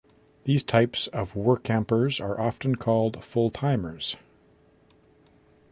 These types of Workampers are often called Fulltimers.